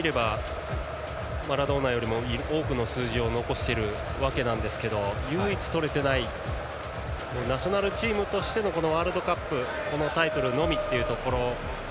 マラドーナよりより多くの数字を残しているわけなんですけど唯一、とれていないナショナルチームとしてのこのワールドカップのタイトルのみというところ。